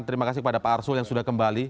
terima kasih kepada pak arsul yang sudah kembali